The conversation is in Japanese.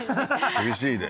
「厳しいで」